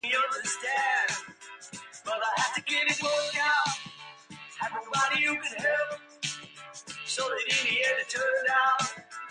Palayoor Mahadeva (Siva) Temple does not exist today.